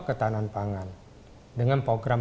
ketahanan pangan dengan program